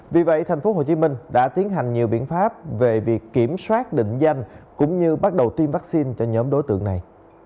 vì vậy thành phố hồ chí minh đã tiến hành nhiều biện pháp về việc kiểm soát định danh cũng như bắt đầu tiêm vaccine cho nhóm đối tượng này